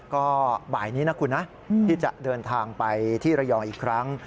ก็บ่ายนี้นะคุณนะที่จะเดินทางไปที่ระยองอีกครั้ง